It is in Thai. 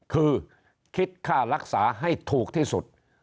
คือคิดค่ารักษาให้ถูกที่สุด